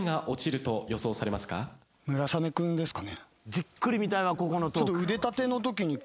じっくり見たいわここのトーク。